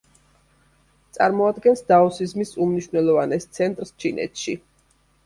წარმოადგენს დაოსიზმის უმნიშვნელოვანეს ცენტრს ჩინეთში.